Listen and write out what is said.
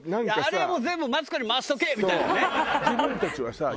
「あれもう全部マツコに回しとけ」みたいなね。